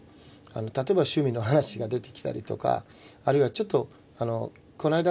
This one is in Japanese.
例えば趣味の話が出てきたりとかあるいはちょっとこないだ